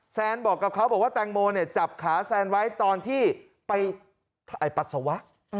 แซนบอกกับเขาบอกว่าแตงโมเนี่ยจับขาแซนไว้ตอนที่ไปถ่ายปัสสาวะ